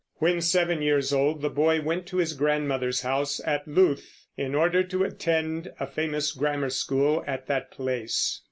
When seven years old the boy went to his grandmother's house at Louth, in order to attend a famous grammar school at that place.